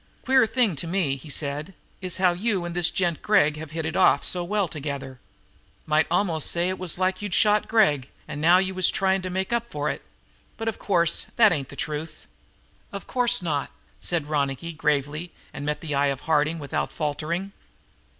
"Queer thing to me," he said, "is how you and this gent Gregg have hit it off so well together. Might almost say it was like you'd shot Gregg and now was trying to make up for it. But, of course, that ain't the truth." "Of course not," said Ronicky gravely and met the eye of Harding without faltering.